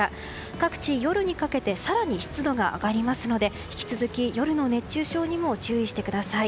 各地、夜にかけて更に湿度が上がりますので引き続き夜の熱中症にも注意してください。